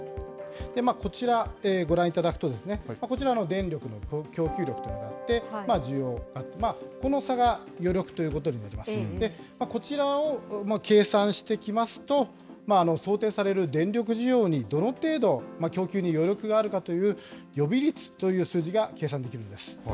こちら、ご覧いただくとですね、こちら、電力の供給力というのがあって、需要、この差が余力ということになりますので、こちらを計算していきますと、想定される電力需要にどの程度、供給に余力があるかという予備率という数字が計算できるんです。